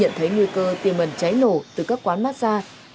nhận thấy nguy cơ tiêu mần cháy nổ từ các quán massage